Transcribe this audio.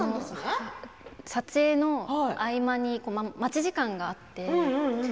撮影の合間に待ち時間があって。